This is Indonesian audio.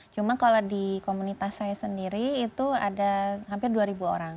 cuma kalau di komunitas saya sendiri itu ada hampir dua orang